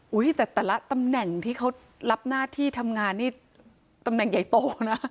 แต่ละตำแหน่งที่เขารับหน้าที่ทำงานนี่ตำแหน่งใหญ่โตนะ